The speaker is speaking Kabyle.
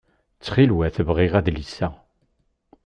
Ttxil-wet bɣiɣ adlis-a.